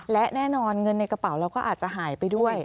และแน่นอนเงินในกระเป๋าเราก็อาจจะหายไปด้วย